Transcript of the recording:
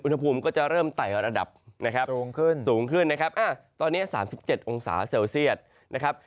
อุณหภูมิก็จะเริ่มไต่ระดับนะครับสูงขึ้นนะครับตอนนี้๓๗องศาเซลเซียตนะครับ